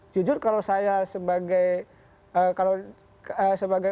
jujur kalau saya sebagai